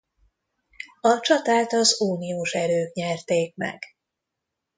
A csatát az uniós erők nyerték meg.